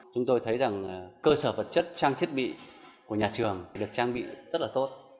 chúng tôi thấy rằng cơ sở vật chất trang thiết bị của nhà trường được trang bị rất là tốt